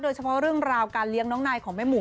เรื่องราวการเลี้ยงน้องนายของแม่หมู